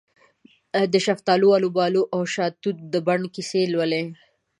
دشفتالو، الوبالواودشاه توت د بڼ کیسې لولې